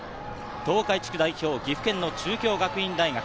東海地区代表、岐阜県の中京学院大学。